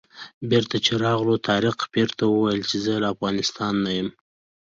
بېرته چې راغلو طارق پیر ته وویل چې زه له افغانستانه یم.